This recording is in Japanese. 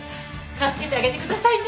助けてあげてくださいね。